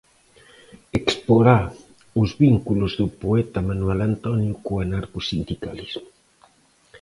Exporá os vínculos do poeta Manuel Antonio co anarcosindicalismo.